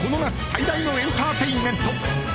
最大のエンターテインメント。